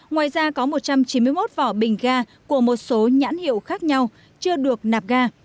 ngoài ra có một trăm chín mươi một vỏ bình ga của một số nhãn hiệu khác nhau chưa được nạp ga